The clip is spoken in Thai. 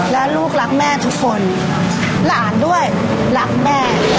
แล้วลูกรักแม่ทุกคนหลานด้วยรักแม่